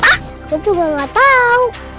aku juga gak tau